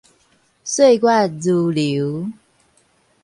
歲月如流